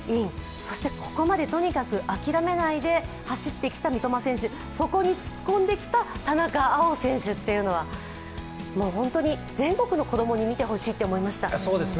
そして、ここまでとにかく諦めないで走ってきた三笘選手、そこに突っ込んできた田中碧選手というのは本当に全国の子供に見てほしいと思いました。